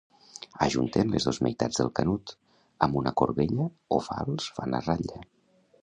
Ajunten les dos meitats del canut; amb una corbella o falç fan la ratlla.